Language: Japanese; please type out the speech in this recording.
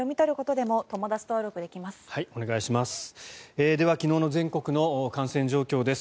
では、昨日の全国の感染状況です。